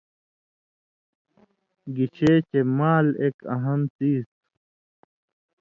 گِشے چے مال ایک اہم څیز تُھو